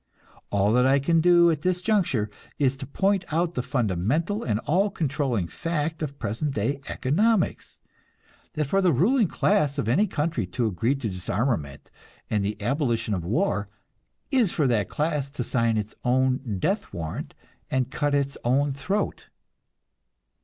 All that I can do at this juncture is to point out the fundamental and all controlling fact of present day economics: that for the ruling class of any country to agree to disarmament and the abolition of war, is for that class to sign its own death warrant and cut its own throat.